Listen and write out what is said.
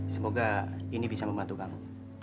semoga ini bisa membantu kamu